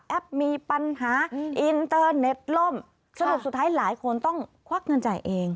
มีปัญหาอินเตอร์เน็ตล่มสรุปสุดท้ายหลายคนต้องควักเงินจ่ายเอง